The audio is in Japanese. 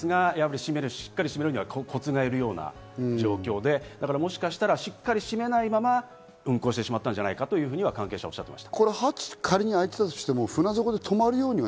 壊れてはいなかったんですが、しっかり閉めるにはコツがいるような状況で、もしかしたら、しっかり閉めないまま運航してしまったんじゃないかと関係者はおっしゃっていました。